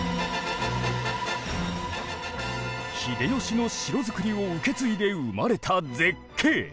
秀吉の城造りを受け継いで生まれた絶景。